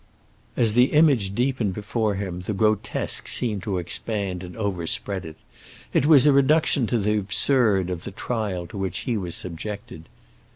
As the image deepened before him the grotesque seemed to expand and overspread it; it was a reduction to the absurd of the trial to which he was subjected.